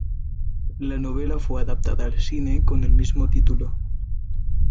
La novela fue adaptada al cine con el mismo título.